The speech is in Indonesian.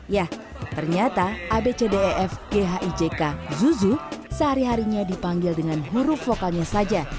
ya ternyata abcdef ghijk zuzu sehari harinya dipanggil dengan huruf vokalnya saja